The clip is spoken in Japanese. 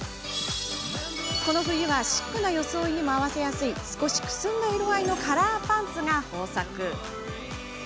この冬はシックな装いにも合わせやすい少しくすんだ色合いのカラーパンツが豊作。